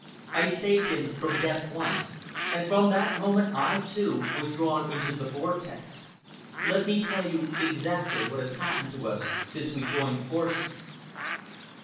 I saved him from death once, and from that moment I, too, was drawn into the vortex. Let me tell you exactly what has happened to us since we joined forces."